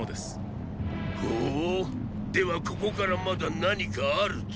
ほうではここからまだ何かあると？